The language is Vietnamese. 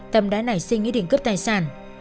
tâm đã nảy sinh ý định cướp tài sản